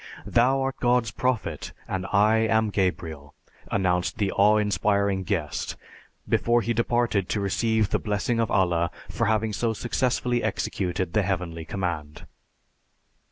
'Thou art God's Prophet, and I am Gabriel,' announced the awe inspiring guest before he departed to receive the blessing of Allah for having so successfully executed the heavenly command.